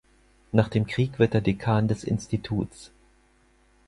Nach dem Krieg wird er Dekan des Instituts.